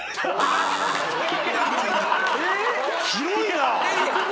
広いな。